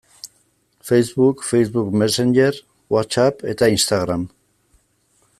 Facebook, Facebook Messenger, Whatsapp eta Instagram.